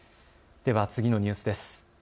では次のニュースです。